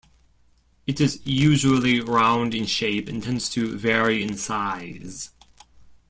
It is usually round in shape and tends to vary in size.